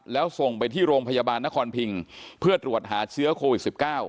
แล้วส่งไปที่โรงพยาบาลนครพิงเพื่อตรวจหาเชื้อโควิด๑๙